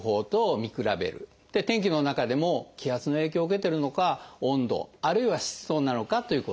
天気の中でも気圧の影響を受けてるのか温度あるいは湿度なのかということ。